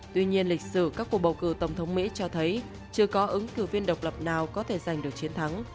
tuy nhiên lịch sử các cuộc bầu cử tổng thống mỹ cho thấy chưa có ứng cử viên độc lập nào có thể giành được chiến thắng